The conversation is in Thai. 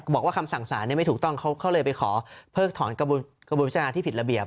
บอกว่าคำสั่งสารไม่ถูกต้องเขาเลยไปขอเพิกถอนกระบวนพิจารณาที่ผิดระเบียบ